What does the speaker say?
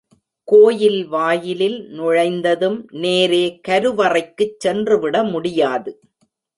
கோயில் வாயிலில் நுழைந்ததும் நேரே கருவறைக்குச் சென்றுவிட முடியாது.